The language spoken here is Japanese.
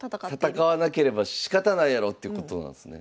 戦わなければしかたないやろってことなんですね。